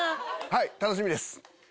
はい楽しみです。